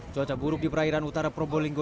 cuaca buruk di perairan utara probolinggo